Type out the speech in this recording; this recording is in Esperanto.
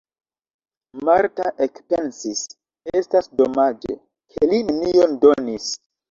Marta ekpensis: estas domaĝe, ke li nenion donis!